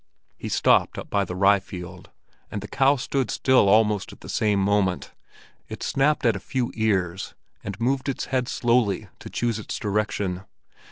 He stopped up by the rye field, and the cow stood still almost at the same moment. It snapped at a few ears, and moved its head slowly to choose its direction.